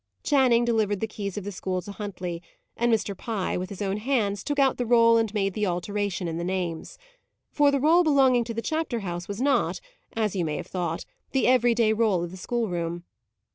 Channing delivered the keys of the school to Huntley; and Mr. Pye, with his own hands, took out the roll and made the alteration in the names. For, the roll belonging to the chapter house was not, as you may have thought, the every day roll of the schoolroom.